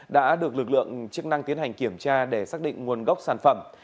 đã được lực lượng chức năng tiến hành kiểm tra để xác định nguồn gốc sản phẩm